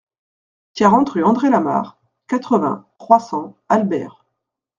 quarante rue André Lamarre, quatre-vingts, trois cents, Albert